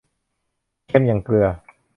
เค็มอย่างเกลือ